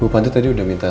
bu panti tadi udah minta